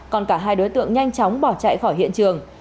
còn cả hai đối tượng nhanh chóng bỏ chạy khỏi hiện trường